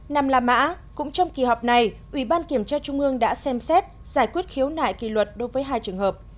năm là mã cũng trong kỳ họp này ủy ban kiểm tra trung ương đã xem xét giải quyết khiếu nại kỳ luật đối với hai trường hợp